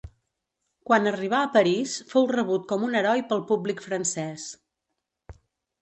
Quan arribà a París, fou rebut com un heroi pel públic francès.